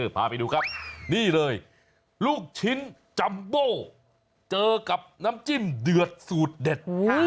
พาไปดูครับนี่เลยลูกชิ้นจัมโบเจอกับน้ำจิ้มเดือดสูตรเด็ด